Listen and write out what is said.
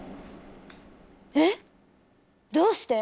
えっどうして？